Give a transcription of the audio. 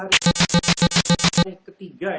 hari ketiga ya